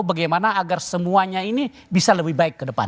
bagaimana agar semuanya ini bisa lebih baik ke depan